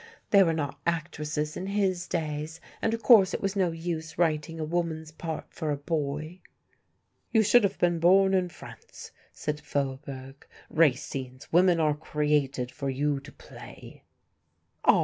There were not actresses in his days, and of course it was no use writing a woman's part for a boy." "You should have been born in France," said Faubourg, "Racine's women are created for you to play." "Ah!